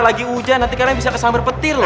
lagi hujan nanti karena bisa kesambar petir loh